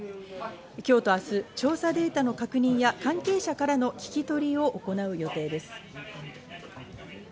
今日と明日、調査データの確認や関係者からの聞き取りを行う予定です。